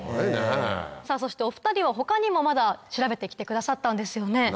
さぁそしてお２人は他にもまだ調べて来てくださったんですよね。